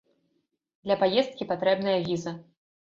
Для паездкі патрэбная віза.